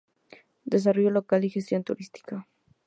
Desarrollo local y gestión turística.